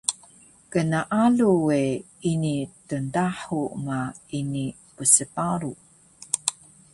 Gnaalu we ini tndahu ma ini psparu